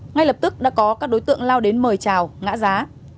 ngay lập tức đã có các đối tượng lao đến mời trào ngã giá